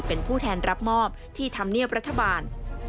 เป็นผู้แทนรับมอบที่ธรรมเนียบรัฐบาล